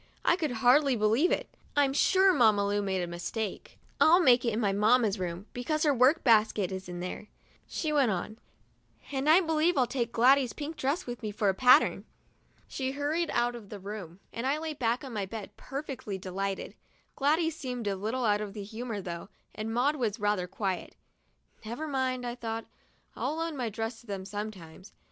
I could hardly believe it. I'm sure Mamma Lu made a mistake. "I'll make it in my mamma's room, because her work basket is in there," she went on; "and I believe I'll take Gladys's pink dress with me for a pattern." She hurried out of the room and I lay back on my bed, perfectly delighted. Gladys seemed a little out of humor though, and Maud was rather quiet. "Never mind," I thought; "I'll loan my dress to them sometimes.